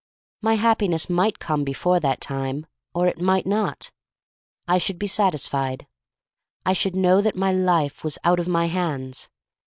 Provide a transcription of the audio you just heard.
My Happi ness might come before that time, or it might not. I should be satisfied. I should know that my life was out of my hands.